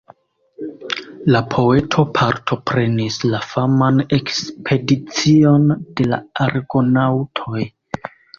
La poeto partoprenis la faman ekspedicion de la argonaŭtoj.